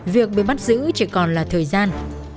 việc bị bắt giữ chỉ còn là thời gian